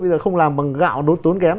bây giờ không làm bằng gạo tốn kém